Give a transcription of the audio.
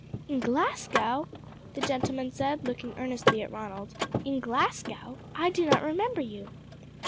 "In Glasgow!" the gentleman said, looking earnestly at Ronald. "In Glasgow! I do not remember you."